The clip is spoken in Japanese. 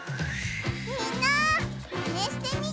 みんなマネしてみてね！